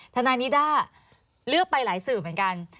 ทนายนิด้าเลือกไปหลายสื่อเหมือนกัน